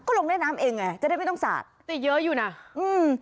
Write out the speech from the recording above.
ลงเล่นน้ำเองไงจะได้ไม่ต้องสาดแต่เยอะอยู่น่ะอืม